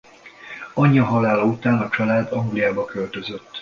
Anyja halála után a család Angliába költözött.